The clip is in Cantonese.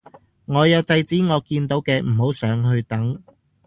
我有制止我見到嘅唔好上去等